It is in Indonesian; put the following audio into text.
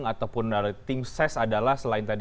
ataupun dari tim ses adalah selain tadi